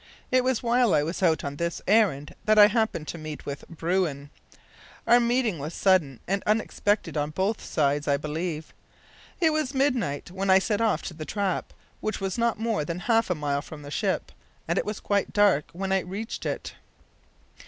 It was while I was out on this errand that I happened to meet with bruin. Our meeting was sudden and unexpected on both sides, I believe. It was midnight when I set off to the trap, which was not more than half a mile from the ship, and it was quite dark when I reached it.